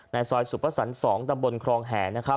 ในซอยสุปสรรค์๒ตำบลครองแห่